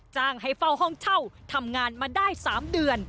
จ้างให้เฝ้าห้องเช่าทำงานมาได้๓เดือน